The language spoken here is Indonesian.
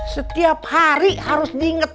setiap hari harus diingetin